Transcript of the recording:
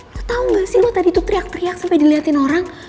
lo tau gak sih gue tadi tuh teriak teriak sampe diliatin orang